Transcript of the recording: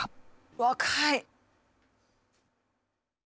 若い。